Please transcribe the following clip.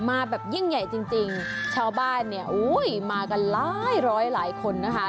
มาแบบยิ่งใหญ่จริงจริงชาวบ้านเนี่ยอุ้ยมากันหลายร้อยหลายคนนะคะ